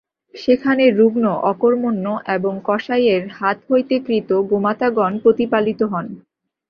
সেখানে রুগ্ন, অকর্মণ্য এবং কসাইয়ের হাত হইতে ক্রীত গোমাতাগণ প্রতিপালিত হন।